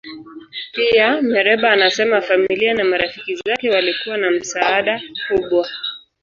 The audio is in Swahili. Pia, Mereba anasema familia na marafiki zake walikuwa na msaada mkubwa.